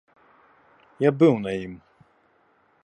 Я быў на ім.